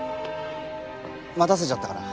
待たせちゃったかな？